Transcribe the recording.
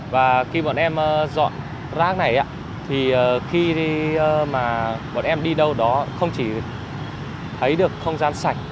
và khi bọn em dọn rác này thì khi mà bọn em đi đâu đó không chỉ thấy được không gian sạch